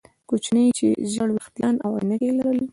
کوچنی چې ژیړ ویښتان او عینکې یې لرلې